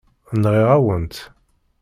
Nɣiɣ-awen-tt.